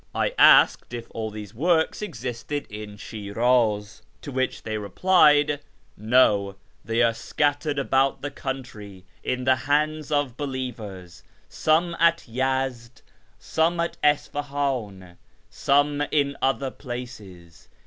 I asked if all these works existed in Shiraz, to which they replied, " No, they are scattered about the country in the hands of believers — some at Yezd, some at Isfahiin, some in other places.